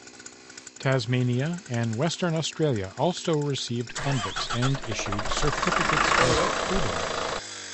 Tasmania and Western Australia also received convicts and issued Certificates of Freedom.